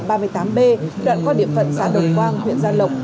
đoạn có điểm phận xã đồng quang huyện gia lộc